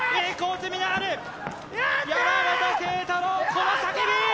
この叫び！